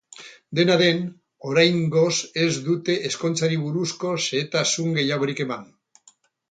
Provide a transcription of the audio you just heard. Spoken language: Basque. Dena den, oraingoz ez dute ezkontzari buruzko xehetasun gehiagorik eman.